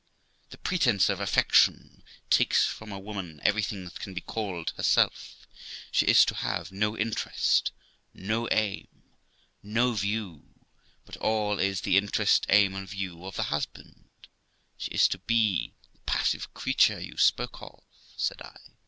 The pretence of affection takes from a woman everything that can be called herself; she is to have no interest, no aim, no view ; but all is the interest, aim, and view of the husband; she is to be the passive creature you spoke of, said I.